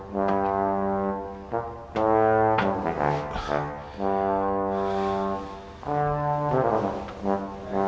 makan makan makan